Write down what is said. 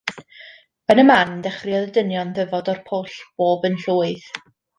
Yn y man dechreuodd y dynion ddyfod o'r pwll bob yn llwyth.